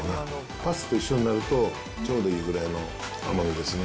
パスタと一緒になると、ちょうどいいぐらいの甘みですね。